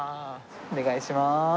お願いします。